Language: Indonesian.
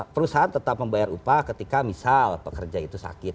perusahaan tetap membayar upah ketika misal pekerja itu sakit